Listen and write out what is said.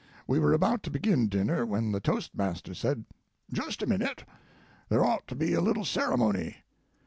We were about to begin dinner when the toastmaster said: "Just a minute; there ought to be a little ceremony."